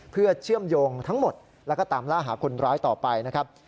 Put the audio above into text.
เพื่อเชื่อมโยงทั้งหมดแล้วก็ตามล่าหาคนร้ายต่อไปนะครับ